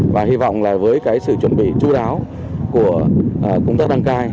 và hy vọng là với cái sự chuẩn bị chú đáo của công tác đăng cai